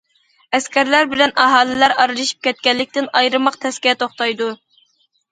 ئەسكەرلەر بىلەن ئاھالىلەر ئارىلىشىپ كەتكەنلىكتىن، ئايرىماق تەسكە توختايدۇ.